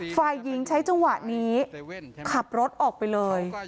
ฝ่ายหญิงใช้จังหวะนี้ขับรถออกไปเลย